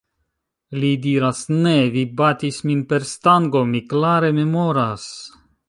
Li diras: "Ne! Vi batis min per stango. Mi klare memoras."